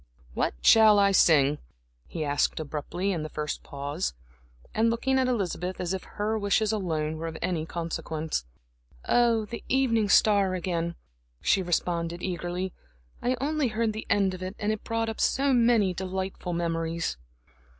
"What shall I sing?" he asked abruptly, in the first pause, and looking at Elizabeth as if her wishes alone were of any consequence. "Oh, the Evening Star again," she responded eagerly. "I only heard the end of it, and it brought up so many delightful memories."